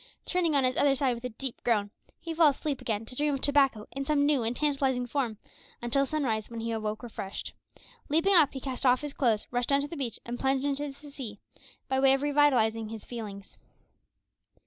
Turning on his other side with a deep groan, he fell asleep again, to dream of tobacco in some new and tantalising form until sunrise, when he awoke unrefreshed. Leaping up, he cast off his clothes, rushed down the beach, and plunged into sea, by way of relieving his feelings.